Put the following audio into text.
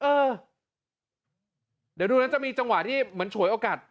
เออเดี๋ยวดูนะจะมีจังหวะที่เหมือนฉวยโอกาส